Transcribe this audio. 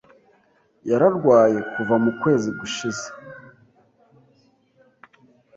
Yararwaye kuva mu kwezi gushize.